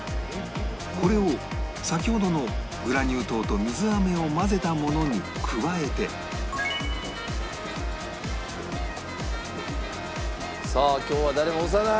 これを先ほどのグラニュー糖と水飴を混ぜたものに加えてさあ今日は誰も押さない。